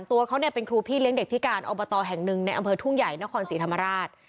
ตัวเขาเนี่ยเป็นครูพี่เลี้ยงเด็กพิการอบตแห่งหนึ่งในอำเภอทุ่งใหญ่นครศรีธรรมราช